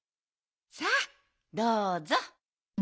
さあどうぞ！